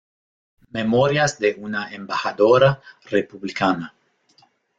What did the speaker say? Memorias de una embajadora republicana".